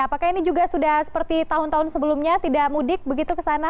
apakah ini juga sudah seperti tahun tahun sebelumnya tidak mudik begitu ke sana